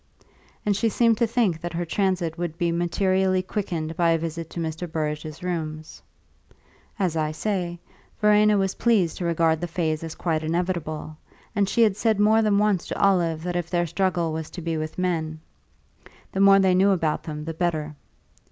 and she seemed to think that her transit would be materially quickened by a visit to Mr. Burrage's rooms. As I say, Verena was pleased to regard the phase as quite inevitable, and she had said more than once to Olive that if their struggle was to be with men, the more they knew about them the better.